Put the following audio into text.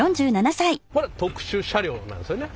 これ特殊車両なんですよね？